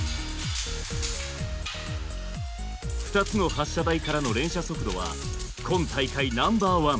２つの発射台からの連射速度は今大会ナンバーワン。